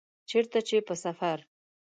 چیرته چي په سفر